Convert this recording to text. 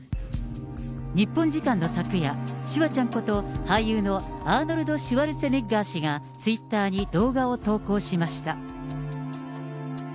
日本時間の昨夜、シュワちゃんこと、俳優のアーノルド・シュワルツェネッガー氏がツイッターに動画を投稿しました。